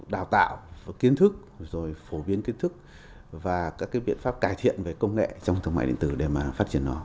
đào tạo kiến thức rồi phổ biến kiến thức và các biện pháp cải thiện về công nghệ trong thương mại điện tử để mà phát triển nó